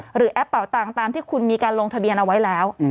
แอปเป่าตังค์ตามที่คุณมีการลงทะเบียนเอาไว้แล้ว